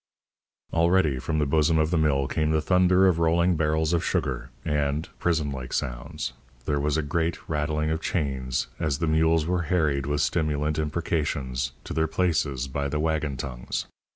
Already from the bosom of the mill came the thunder of rolling barrels of sugar, and (prison like sounds) there was a great rattling of chains as the mules were harried with stimulant imprecations to their places by the waggon tongues.